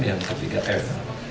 yang ketiga f